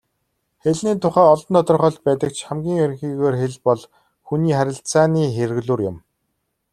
Хэлний тухай олон тодорхойлолт байдаг ч хамгийн ерөнхийгөөр хэл бол хүний харилцааны хэрэглүүр юм.